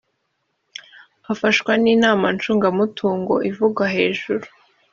afashwa n ‘inama ncungamutungo ivugwa hejuru.